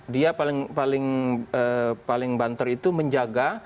dia paling banter itu menjaga